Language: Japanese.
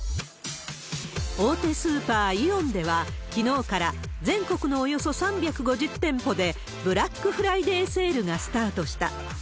大手スーパー、イオンでは、きのうから、全国のおよそ３５０店舗でブラックフライデーセールがスタートした。